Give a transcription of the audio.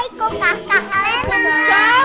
aduh boneka kita selalu